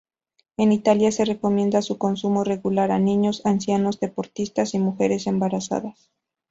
En Italia, se recomienda su consumo regular a niños, ancianos, deportistas y mujeres embarazadas.